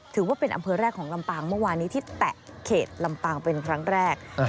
ถือว่าเป็นอำเภอแรกของลำปางเมื่อวานนี้ที่แตะเขตลำปางเป็นครั้งแรก